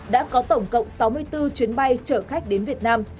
đã có tổng cộng sáu mươi bốn chuyến bay chở khách đến việt nam